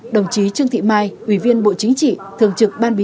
đồng chí trương thị mai ủy viên bộ chính trị